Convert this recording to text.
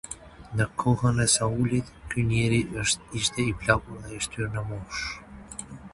Në kohën e Saulit, ky njeri ishte i plakur dhe i shtyrë në moshë.